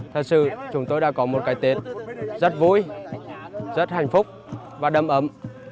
thật sự chúng tôi đã có một cái tết rất vui rất hạnh phúc và đầm ấm